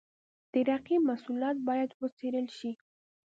د رقیب محصولات باید وڅېړل شي.